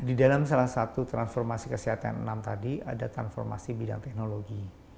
di dalam salah satu transformasi kesehatan yang enam tadi ada transformasi bidang teknologi